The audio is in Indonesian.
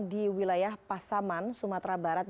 di wilayah pasaman sumatera barat